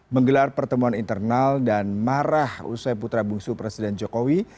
menggelar pertemuan internal dan marah usai putra bungsu presiden jokowi